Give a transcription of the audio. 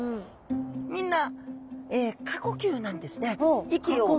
みんな過呼吸なんですね。